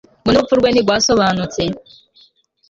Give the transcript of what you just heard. ngo n'urupfu rwe ntago rwasobanutse